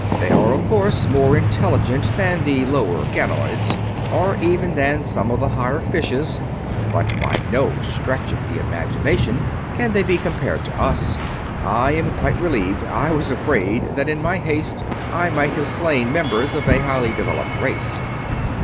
They are of course more intelligent than the lower ganoids, or even than some of the higher fishes, but by no stretch of the imagination can they be compared to us. I am quite relieved I was afraid that in my haste I might have slain members of a highly developed race."